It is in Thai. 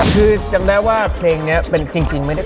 คือยังได้ว่าเพลงนี้